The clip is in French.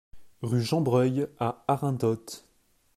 Rue Jean Breuil à Arinthod